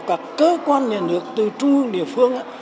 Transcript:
các cơ quan nhà nước từ trung ương địa phương